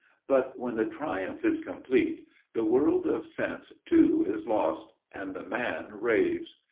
But when the triumph is complete, the world of sense too is lost and the man raves.